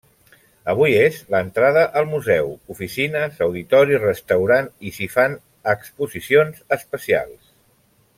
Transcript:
Avui és l'entrada al museu, oficines, auditori, restaurant, i s'hi fan exposicions especials.